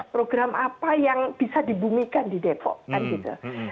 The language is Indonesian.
program apa yang bisa dibumikan di depok kan gitu